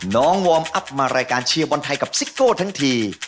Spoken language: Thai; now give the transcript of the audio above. วอร์มอัพมารายการเชียร์บอลไทยกับซิโก้ทั้งที